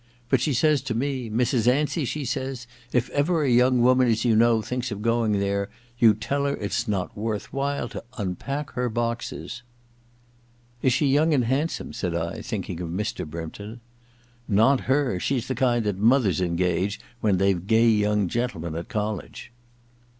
But she says to me, Mrs. Ansey^ she says, // ever a young woman as you know of thinks of going there^ you tell her ifs not worth while to unpack her boxes. ^ 136 THE LAOrS MAID'S BELL ii ' Is she young and handsome i ' said I, think ing of Mr. Brympton. 'Not her! She's the kind that mothers engage when they've gay young gentlemen at college.'